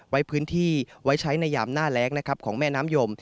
ไว้พื้นที่ไว้ใช้ในยามหน้าแรงนะครับของแม่น้ำยม